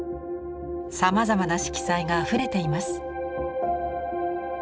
さまざまな色彩があふれています。